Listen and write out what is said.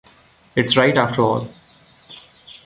It's right, after all!